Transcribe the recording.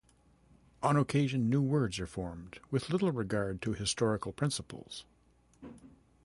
On occasion, new words are formed with little regard to historical principles.